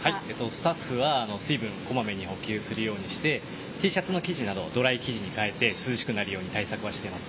スタッフは水分を小まめに補給するようにしてＴシャツの生地などドライ生地に変えて涼しくなるように対策はしています。